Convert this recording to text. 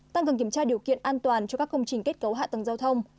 tăng cường kiểm tra điều kiện an toàn cho các công trình kết cấu hạ tầng giao thông